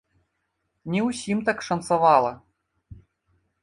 Не ўсім так шанцавала.